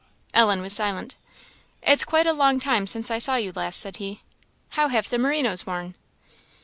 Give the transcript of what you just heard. Ellen was silent. "It's quite a long time since I saw you last," said he "how have the merinoes worn?"